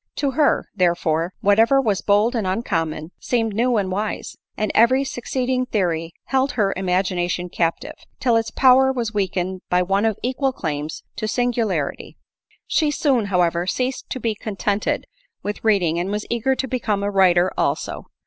To her, therefore, whatever was bold and uncommon, seemed new and wise ; and every succeeding theoiy held her imagination captive, till its power was weakened by one of equal claims to singularity. She soon, however, ceased to be contented with read ing, and was eager to become a writer also.